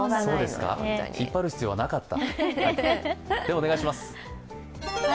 引っ張る必要はなかった。